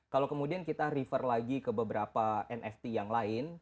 kalau kemudian kita refer lagi ke beberapa nft yang lain